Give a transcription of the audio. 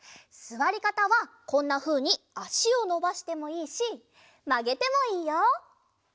すわりかたはこんなふうにあしをのばしてもいいしまげてもいいよ！